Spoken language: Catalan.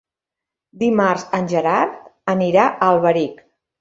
Dimarts en Gerard anirà a Alberic.